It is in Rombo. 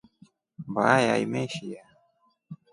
Mbaya imeshiya.